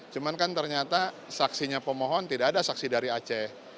cuma kan ternyata saksinya pemohon tidak ada saksi dari aceh